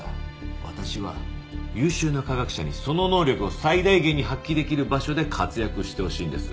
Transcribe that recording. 私は優秀な科学者にその能力を最大限に発揮できる場所で活躍してほしいんです。